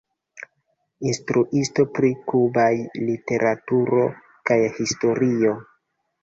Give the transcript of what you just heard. Instruisto pri kubaj literaturo kaj historio.